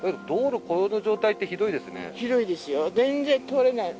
道路、こんな状態って、ひどいですね。